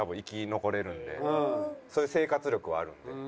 そういう生活力はあるので。